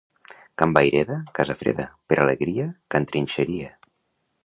Can Vayreda, casa freda. Per alegria, Can Trinxeria.